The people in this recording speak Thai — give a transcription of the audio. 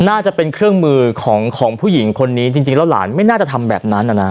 น่าจะเป็นเครื่องมือของของผู้หญิงคนนี้จริงแล้วหลานไม่น่าจะทำแบบนั้นนะ